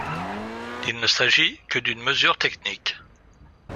Il ne s’agit que d’une mesure technique.